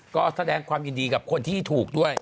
ก็แสดงความยินดีกับคนที่ถูกด้วย